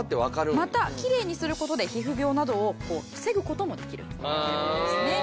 またきれいにする事で皮膚病などを防ぐ事もできるという事ですね。